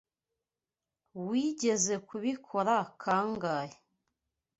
Wigeze kubikora kangahe?